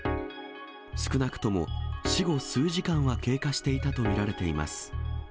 少なくとも死後数時間は経過していたと見られています。